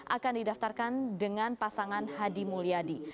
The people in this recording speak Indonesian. akan didaftarkan dengan pasangan hadi mulyadi